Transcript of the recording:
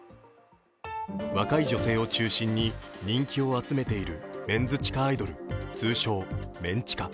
若い女性を中心に人気を集めているメンズ地下アイドル、通称・メン地下。